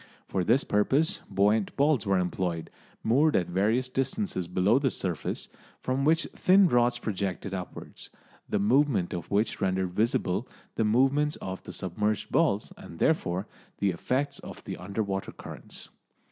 For this purpose buoyant balls were employed, moored at various distances below the surface, from which thin rods projected upwards, the movement of which rendered visible the movements of the submerged balls and therefore the effects of the under water currents.